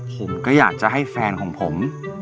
ผมก็อยากจะให้แฟนของผม